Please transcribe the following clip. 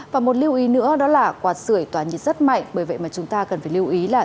và một lưu ý nữa đó là quạt sửa tỏa nhiệt rất mạnh bởi vậy mà chúng ta cần phải lưu ý là